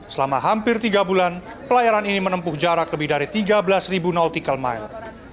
selama hampir tiga bulan pelayaran ini menempuh jarak lebih dari tiga belas nautical mile